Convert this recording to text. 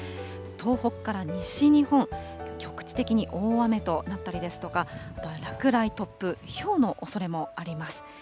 東北から西日本、局地的に大雨となったりですとか、落雷、突風、ひょうのおそれもあります。